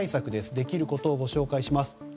できることをご紹介します。